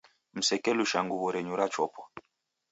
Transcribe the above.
Msekelusha nguw'o renyu rachopwa.